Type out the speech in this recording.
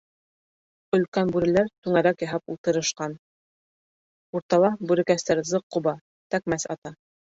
Өлкән бүреләр түңәрәк яһап ултырышҡан, уртала бүрекәстәр зыҡ ҡуба, тәкмәс ата.